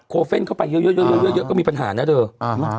โคเฟนเขาไปเยอะก็มีปัญหาน่ะเถอะ